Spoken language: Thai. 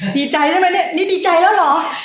ดีใจนี่ดีใจแล้วหรอ